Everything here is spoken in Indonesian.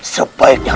saya akan menang